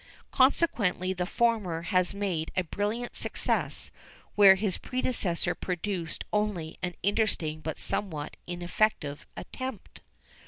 Consequently the former has made a brilliant success where his predecessor produced only an interesting but somewhat ineffective attempt.